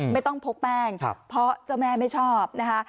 ไม่ต้องพกแม่งเพราะเจ้าแม่ไม่ชอบนะคะ